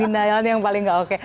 indianial yang paling enggak oke